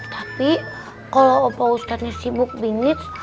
tapi kalau pak ustadznya sibuk bingit